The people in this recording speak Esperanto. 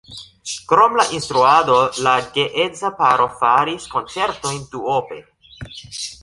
Krom la instruado la geedza paro faris koncertojn duope.